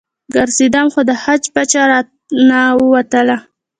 ګرځېدم خو د حج پچه رانه ووتله.